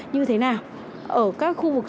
như thế nào ở các khu vực